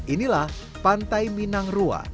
inilah pantai minang rua